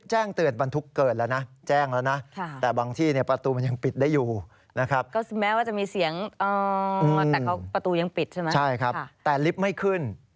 ใช่ครับแต่ลิฟต์ไม่ขึ้น